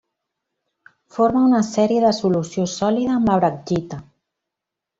Forma una sèrie de solució sòlida amb la braggita.